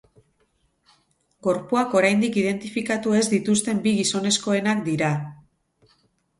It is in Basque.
Gorpuak oraindik identifikatu ez dituzten bi gizonezkoenak dira.